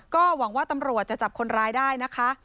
ก็หวังว่าตำรวจจะจับคนร้ายได้นะคะ